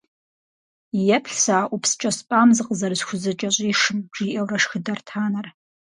«Еплъ сэ а ӏупскӏэ спӏам зыкъызэрысхузэкӏэщӏишым», жиӏэурэ шхыдэрт анэр.